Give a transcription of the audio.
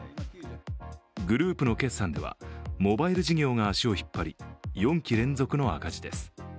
グループの決算ではモバイル事業が足を引っ張り４期連続の赤字です。